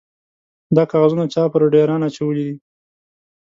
_دا کاغذونه چا پر ډېران اچولي دي؟